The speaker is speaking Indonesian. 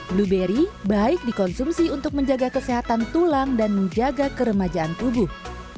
blueberry baik dikonsumsi untuk menjaga kesehatan tulang dan menjaga keremajaan tubuh